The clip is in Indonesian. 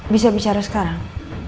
bisa bicara sekarang